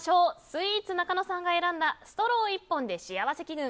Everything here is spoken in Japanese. スイーツなかのさんが選んだストロー１本で幸せ気分！